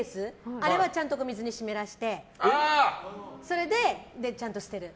あれはちゃんと水に湿らせてそれで、ちゃんと捨てる。